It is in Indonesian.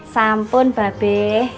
sampun mba be